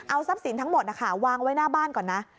เอาทรัพย์สินทั้งหมดนะคะวางไว้หน้าบ้านก่อนนะ